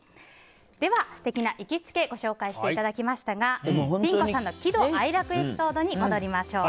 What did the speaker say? では素敵な行きつけご紹介していただきましたがピン子さんの喜怒哀楽エピソードに戻りましょう。